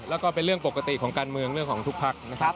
แล้วก็เป็นเรื่องปกติของการเมืองเรื่องของทุกพักนะครับ